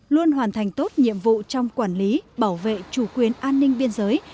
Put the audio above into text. luôn hoàn thành tốt nhiệm vụ trong quản lý bảo vệ chủ quyền an ninh biên giới